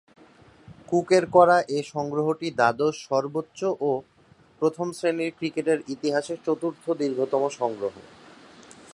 কুকের করা এ সংগ্রহটি দ্বাদশ সর্বোচ্চ ও প্রথম-শ্রেণীর ক্রিকেটের ইতিহাসে চতুর্থ দীর্ঘতম সংগ্রহ।